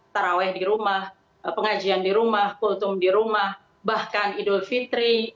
taraweh di rumah pengajian di rumah kultum di rumah bahkan idul fitri